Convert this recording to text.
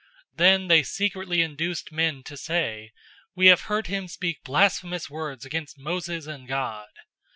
006:011 Then they secretly induced men to say, "We have heard him speak blasphemous words against Moses and God."